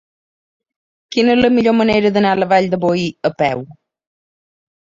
Quina és la millor manera d'anar a la Vall de Boí a peu?